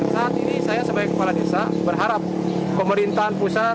saat ini saya sebagai kepala desa berharap pemerintahan pusat